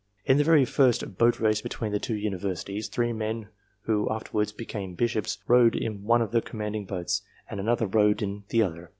In the very first boat race between the two Universities, three men who afterwards became bishops rowed in one of the contending boats, and another rowed in the other.